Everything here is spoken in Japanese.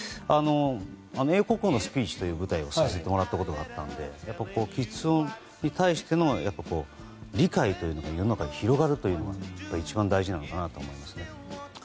「英国王のスピーチ」という舞台をさせてもらったことがあって吃音に対しての理解というのを世の中に広がることが一番大事かなと思います。